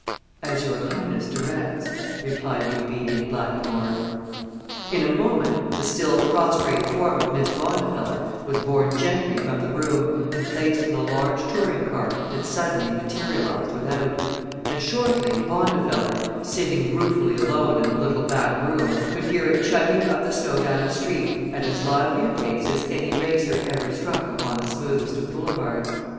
"As your Highness directs," replied the obedient blackamoor. In a moment the still prostrate form of Miss Bondifeller was borne gently from the room and placed in a large touring car that suddenly materialized without, and shortly Bondifeller, sitting ruefully alone in the little back room, could hear it chugging up the snowbound street at as lively a pace as any racer ever struck upon the smoothest of boulevards.